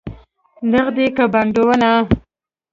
نغدې که بانډونه؟